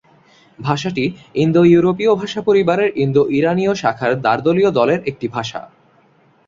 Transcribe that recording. ভাষাটি ইন্দো-ইউরোপীয় ভাষা পরিবারের ইন্দো-ইরানীয় শাখার দার্দীয় দলের একটি ভাষা।